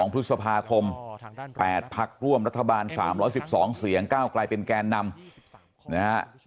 ๒พฤษภาคม๘พักร่วมรัฐบาล๓๑๒เสียงก้าวกลายเป็นแกนนำนะฮะ